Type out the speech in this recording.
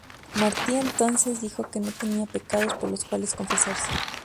Martí entonces dijo que no tenía pecados por los cuales confesarse.